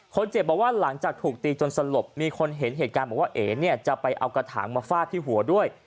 คนเจ็บบอกว่าหลังจากถูกตีจนสลบมีคนเห็นเหตุการณ์บอกว่าเอ๋เนี่ยจะไปเอากระถางมาฟาดที่หัวด้วย